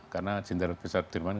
karena jenderal besar sudirman